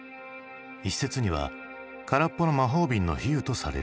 一説には「空っぽの魔法瓶」の比喩とされる。